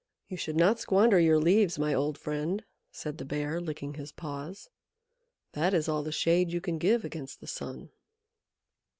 "You should not squander your leaves, my old friend," said the Bear, licking his paws. "That is all the shade you can give against the sun."